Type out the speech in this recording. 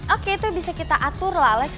oke itu bisa kita atur lah alex